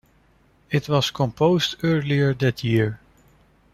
It was composed earlier that year.